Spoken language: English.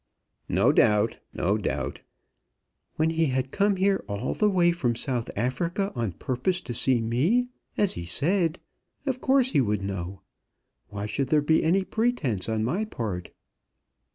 "No doubt! No doubt!" "When he had come here all the way from South Africa on purpose to see me, as he said, of course he would know. Why should there be any pretence on my part?"